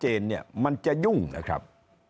เนี่ยมันจะยุ่งนะครับ